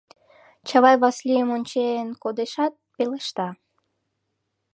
Чавай Васлийым онче-ен кодешат, пелешта: